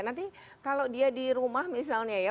nanti kalau dia di rumah misalnya ya